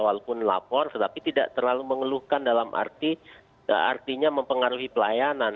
walaupun lapor tetapi tidak terlalu mengeluhkan dalam arti artinya mempengaruhi pelayanan